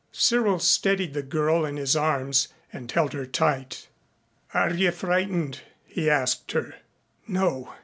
Cyril steadied the girl in his arms and held her tight. "Are you frightened?" he asked her. "No.